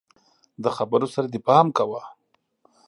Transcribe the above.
د خبرو سره دي پام کوه!